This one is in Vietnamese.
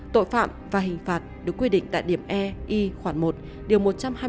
tội phạm và hình phạt được quy định tại điểm e khoảng một điều một trăm hai mươi bốn